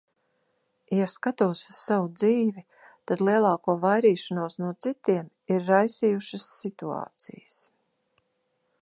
Ja skatos uz savu dzīvi, tad lielāko vairīšanos no citiem ir raisījušas situācijas.